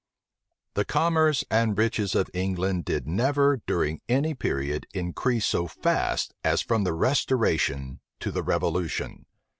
The commerce and riches of England did never, during any period, increase so fast as from the restoration to the revolution.